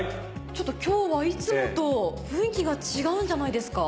ちょっと今日はいつもと雰囲気が違うんじゃないですか？